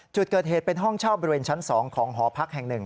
จุดเกิดเหตุเป็นห้องเช่าบริเวณชั้น๒ของหอพักแห่ง๑